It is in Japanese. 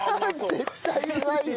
絶対うまいよ。